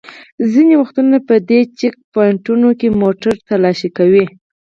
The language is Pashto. ځینې وختونه په دې چېک پواینټونو کې موټر تالاشي کوي.